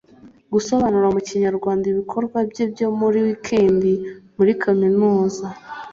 gusobanura mu kinyarwanda ibikorwa bye byo muri weekend muri kaminuza